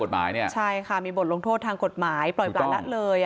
กฎหมายเนี่ยใช่ค่ะมีบทลงโทษทางกฎหมายปล่อยปละละเลย